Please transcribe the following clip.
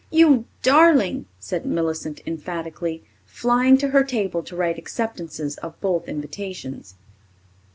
"You darling!" said Millicent emphatically, flying to her table to write acceptances of both invitations.